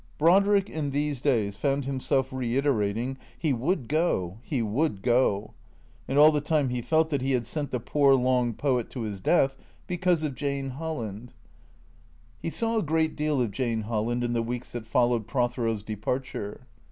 Brodriek, in these days, found himself reiterating, " He would go, he would go." And all the time he felt that he had sent the poor long poet to his death, because of Jane Holland. 242 THE CREATORS 243 He saw a great deal of Jane Holland in the weeks that fol lowed Prothero's departure.